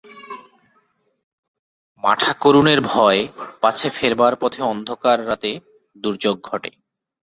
মাঠাকরুনের ভয়, পাছে ফেরবার পথে অন্ধকার রাতে দুর্যোগ ঘটে।